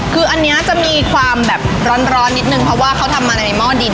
คืออันนี้จะมีความแบบร้อนนิดนึงเพราะว่าเขาทำมาในหม้อดิน